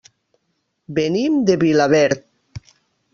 Venim de Vilaverd.